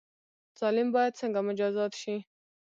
ظالم باید څنګه مجازات شي؟